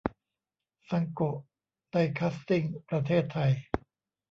ซังโกะ ไดคาซติ้ง ประเทศไทย